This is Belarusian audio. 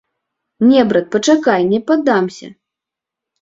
Не, брат, пачакай, не паддамся.